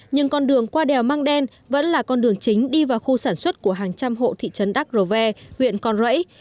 nhưng con đường qua đèo mang đen vẫn là con đường chính đi vào khu sản xuất của hàng trăm hộ thị trấn đắc rô ve huyện con rẫy